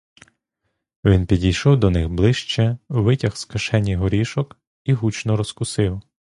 Він підійшов до них ближче, витяг з кишені горішок і гучно розкусив.